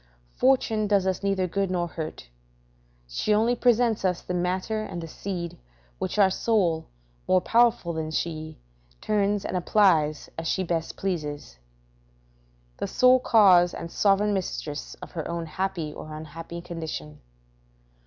Fortune does us neither good nor hurt; she only presents us the matter and the seed, which our soul, more powerful than she, turns and applies as she best pleases; the sole cause and sovereign mistress of her own happy or unhappy condition.